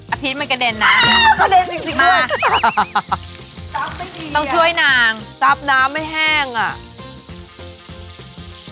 อัพฤทธิ์มันกระเด็นนะมาต้องช่วยนางซับน้ำไม่แห้งอ่ะ